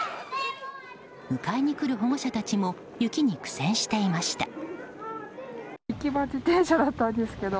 迎えに来る保護者達も雪に苦戦していました。